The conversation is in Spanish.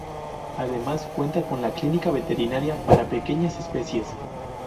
Además cuenta con la Clínica Veterinaria para pequeñas especies.